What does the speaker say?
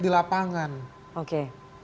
di lapangan oke